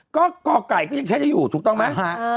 ก็กไก่ก็ยังใช้ได้อยู่ถูกต้องไหม